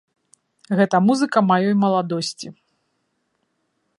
Гэта музыка маёй маладосці.